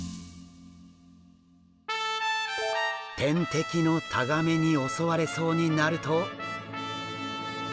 天敵のタガメに襲われそうになると。